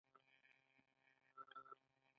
دا به د لوستونکو لپاره ګټور وي.